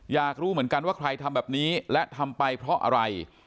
อยากรู้เหมือนกันว่าใครทำแบบนี้และทำไปเพราะอะไร